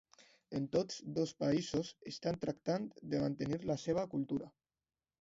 En tots dos països estan tractant de mantenir la seva cultura.